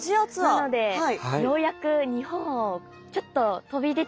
なのでようやく日本をちょっと飛び出て。